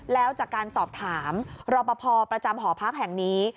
แล้วจากการสอบถามรอปภประจำหอพักแห่งนี้